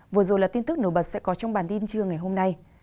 vừa rồi là tin tức nổi bật sẽ có trong bản tin trưa ngày hôm nay